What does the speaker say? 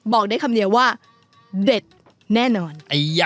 บอกได้คำเดียวว่าเด็ดแน่นอน